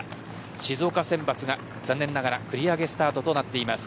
静岡選抜が残念ながら繰り上げスタートとなっています。